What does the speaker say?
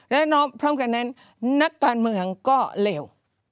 และพร้อมกันนั้นนักการเมืองก็เลว